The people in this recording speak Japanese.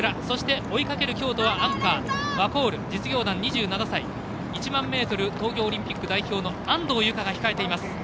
そして、追いかける京都はアンカー、ワコール実業団２７歳、１００００ｍ東京オリンピック代表の安藤友香が控えています。